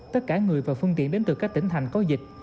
tất cả người và phương tiện đến từ các tỉnh thành có dịch